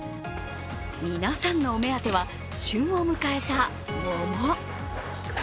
皆さんのお目当ては、旬を迎えた桃。